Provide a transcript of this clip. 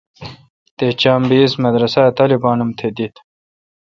تے چام بی اس مدرسہ اے طالبان ام تہ دیت